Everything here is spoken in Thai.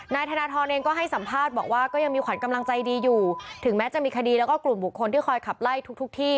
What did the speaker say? นายธนทรเองก็ให้สัมภาษณ์บอกว่าก็ยังมีขวัญกำลังใจดีอยู่ถึงแม้จะมีคดีแล้วก็กลุ่มบุคคลที่คอยขับไล่ทุกที่